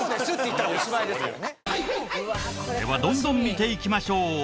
ではどんどん見ていきましょう。